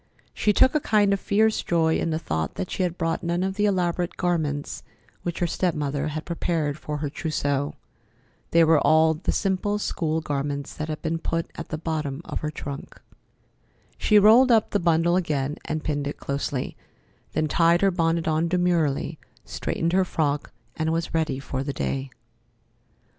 She took a kind of fierce joy in the thought that she had brought none of the elaborate garments which her step mother had prepared for her trousseau. They were all the simple school garments that had been put at the bottom of her trunk. She rolled up the bundle again and pinned it closely, then tied her bonnet on demurely, straightened her frock, and was ready for the day.